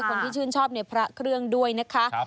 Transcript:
คนที่ชื่นชอบในพระเครื่องด้วยนะคะ